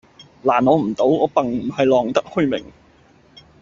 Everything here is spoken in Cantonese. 難我唔到，我並唔係浪得虛名